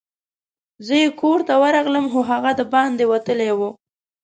زه یې کور ته ورغلم، خو هغه دباندي وتلی وو.